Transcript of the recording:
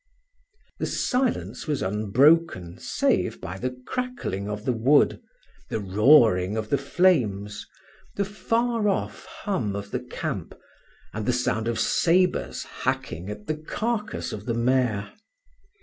The silence was unbroken save by the crackling of the wood, the roaring of the flames, the far off hum of the camp, and the sound of sabres hacking at the carcass of the mare.